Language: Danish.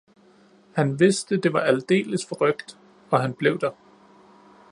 Han vidste, det var aldeles forrykt, og han blev der.